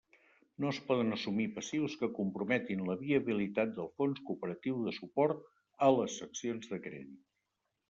No es poden assumir passius que comprometin la viabilitat del Fons cooperatiu de suport a les seccions de crèdit.